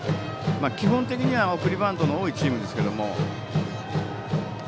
基本的には送りバントの多いチームですけども。